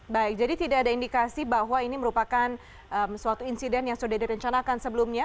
baik jadi tidak ada indikasi bahwa ini merupakan suatu insiden yang sudah direncanakan sebelumnya